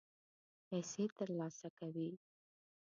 پیسې ترلاسه کوي.